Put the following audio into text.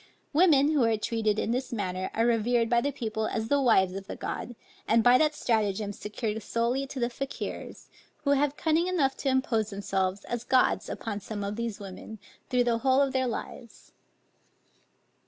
Women who are treated in this manner are revered by the people as the wives of the gods, and by that stratagem secured solely to the Fakiers, who have cunning enough to impose themselves as gods upon some of these women, through the whole of their lives.